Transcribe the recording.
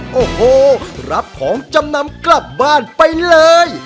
สำเร็จรับของจำนำกลับบ้านไปเลย